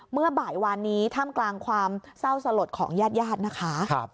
เมื่อบ่ายวานนี้ท่ามกลางความเศร้าสลดของญาติญาตินะคะ